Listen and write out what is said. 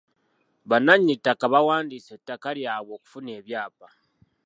Bannannyini ttaka bawandiisa ettaka lyabwe okufuna ebyapa.